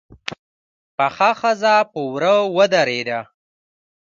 پخه ښځه په وره ودرېده.